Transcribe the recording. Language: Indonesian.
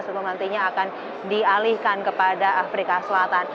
sebelum nantinya akan dialihkan kepada afrika selatan